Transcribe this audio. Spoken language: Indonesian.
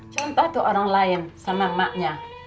contoh tuh orang lain sama maknya